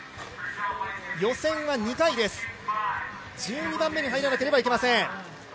予選は２回です、１２番目に入らなければいけません。